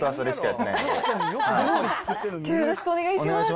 よろしくお願いします。